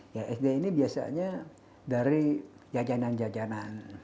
ya sd ini biasanya dari jajanan jajanan